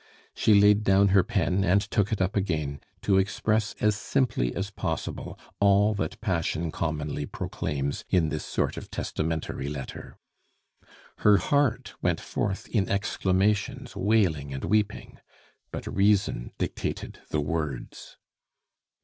She laid down her pen and took it up again, to express as simply as possible all that passion commonly proclaims in this sort of testamentary letter. Her heart went forth in exclamations, wailing and weeping; but reason dictated the words.